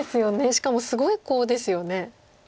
しかもすごいコウですよね。